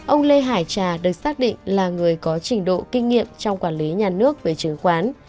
ông lê hải trà được xác định là người có trình độ kinh nghiệm trong quản lý nhà nước về chứng khoán